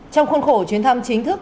trong khuôn khổ chuyến thăm chính thức